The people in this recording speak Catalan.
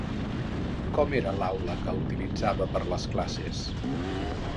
Com era l'aula que utilitzava per les classes?